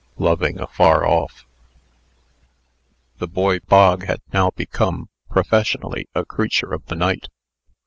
LOVING AFAR OFF. The boy Bog had now become, professionally, a creature of the night.